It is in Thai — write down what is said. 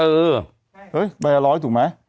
เออเฮ้ยใบละร้อยถูกไหม